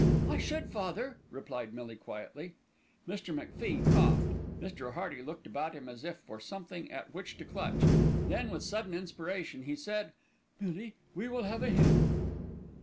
"I should, father," replied Millie quietly. Mr. MacFie coughed, Mr. Hearty looked about him as if for something at which to clutch, then with sudden inspiration he said, "Millie, we will have a hymn."